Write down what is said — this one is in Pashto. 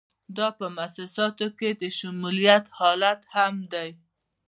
دا په موسساتو کې د شمولیت حالت هم دی.